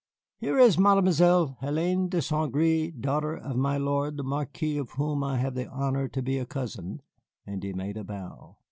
Here is Mademoiselle Hélène de Saint Gré, daughter of my lord the Marquis of whom I have the honor to be a cousin," and he made a bow.